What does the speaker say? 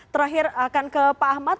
terakhir akan ke pak ahmad